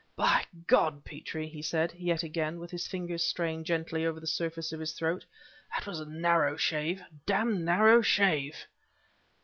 "By God! Petrie," he said, yet again, with his fingers straying gently over the surface of his throat, "that was a narrow shave a damned narrow shave!"